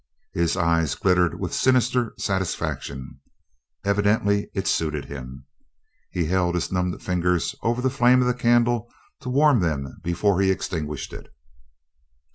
His eyes glittered with sinister satisfaction. Evidently it suited him. He held his numbed fingers over the flame of the candle to warm them before he extinguished it.